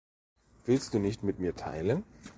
Willst du nicht mit mir teilen?